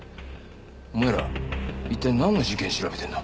お前ら一体なんの事件調べてんだ？